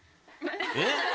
えっ？